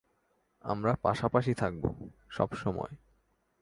আমরা পাশাপাশি থাকবো, সবসময়।